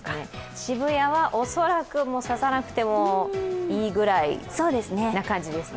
渋谷は恐らく、もう差さなくてもいいぐらいな感じですね。